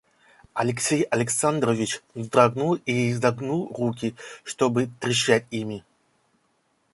Алексей Александрович вздрогнул и загнул руки, чтобы трещать ими.